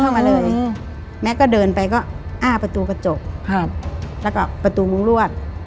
เข้ามาเลยอืมแม็กก็เดินไปก็อ้าประตูกระจกครับแล้วก็ประตูมุ้งรวด